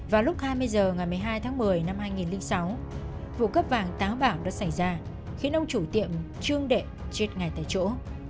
vào lúc hai mươi h ngày một mươi hai tháng một mươi năm hai nghìn sáu vụ cướp vàng táo bảo đã xảy ra khiến ông chủ tiệm trương đệ chết ngay tại chỗ